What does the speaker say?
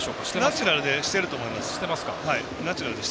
ナチュラルにしていると思います。